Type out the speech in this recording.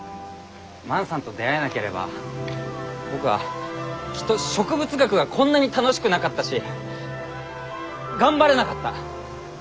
万さんと出会えなければ僕はきっと植物学がこんなに楽しくなかったし頑張れなかった。